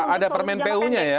ada permen pu nya ya